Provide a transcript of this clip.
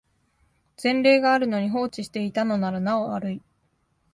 前例があるのに放置していたのならなお悪い